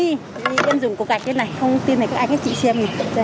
vì em dùng cục gạch như thế này không tin là có ai có chị xem